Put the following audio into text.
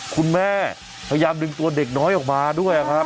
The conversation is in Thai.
พยายามดึงตัวเด็กน้อยออกมาด้วยครับ